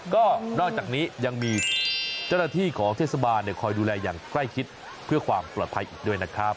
ก็นอกจากนี้ยังมีเจ้าหน้าที่ของเทศบาลคอยดูแลอย่างใกล้ชิดเพื่อความปลอดภัยอีกด้วยนะครับ